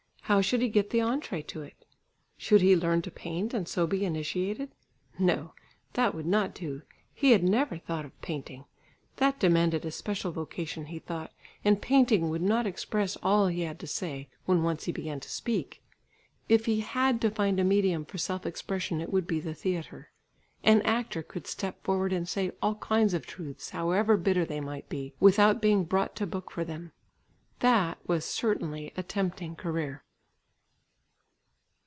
How should he get the entrée to it? Should he learn to paint and so be initiated? No! that would not do; he had never thought of painting; that demanded a special vocation, he thought, and painting would not express all he had to say, when once he began to speak. If he had to find a medium for self expression it would be the theatre. An actor could step forward, and say all kinds of truths, however bitter they might be, without being brought to book for them. That was certainly a tempting career.